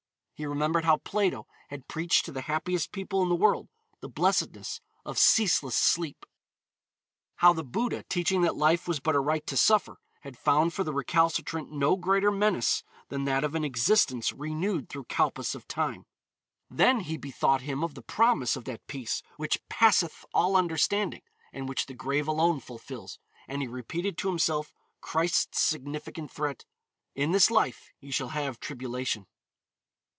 He remembered how Plato had preached to the happiest people in the world the blessedness of ceaseless sleep; how the Buddha, teaching that life was but a right to suffer, had found for the recalcitrant no greater menace than that of an existence renewed through kalpas of time. Then he bethought him of the promise of that peace which passeth all understanding, and which the grave alone fulfills, and he repeated to himself Christ's significant threat, "In this life ye shall have tribulation."